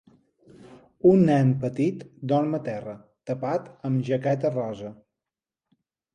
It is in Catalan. Un nen petit dorm a terra, tapat amb jaqueta rosa.